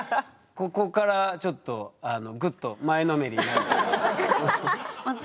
ここからちょっとグッと前のめりになるけど。